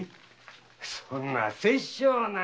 そんな殺生な。